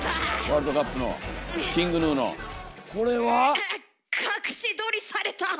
ううっ隠し撮りされた。